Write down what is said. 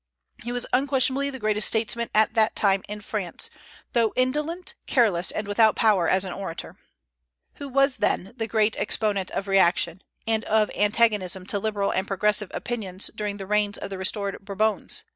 He was unquestionably the greatest statesman at that time in France, though indolent, careless, and without power as an orator. Who was then the great exponent of reaction, and of antagonism to liberal and progressive opinions, during the reigns of the restored Bourbons?